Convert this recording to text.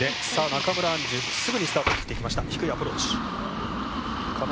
中村安寿、すぐにスタートを切っていきました。